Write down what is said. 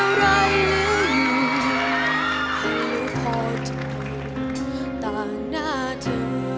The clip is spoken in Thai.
ให้รู้พอเจอตาหน้าเธอ